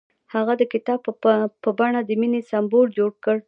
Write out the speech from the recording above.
هغه د کتاب په بڼه د مینې سمبول جوړ کړ.